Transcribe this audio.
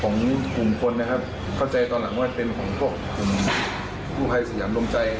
ของกลุ่มคนนะครับเข้าใจตอนหลังว่าเป็นของพวกกลุ่มกู้ภัยสยามรวมใจ